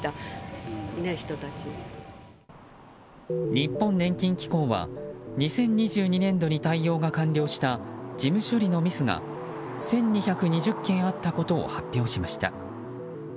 日本年金機構は２０２２年度に対応が完了した事務処理のミスが１２２０件あったことを発表しました。